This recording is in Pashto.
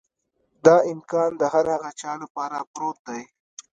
دا امکان د هر هغه چا لپاره پروت دی.